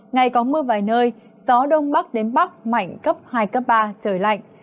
ngày có mưa vài nơi gió đông bắc đến bắc mạnh cấp hai cấp ba trời lạnh